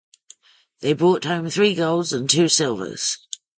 They brought home three golds and two silvers.